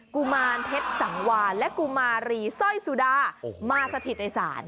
กุมารเพชรสังวานและกุมารีสร้อยสุดามาสถิตในศาล